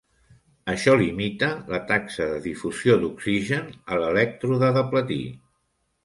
Això limita la taxa de difusió d'oxigen a l'elèctrode de platí.